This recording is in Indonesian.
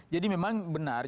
jadi memang benar